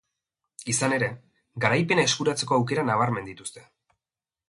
Izan ere, garaipena eskuratzeko aukera nabarmen dituzte.